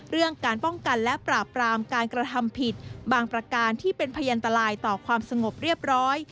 เรื่องการป้องกันและปราบปรามการกระทำผิดบางประการที่เป็นพยันตรายต่อความสงบเรียบร้อย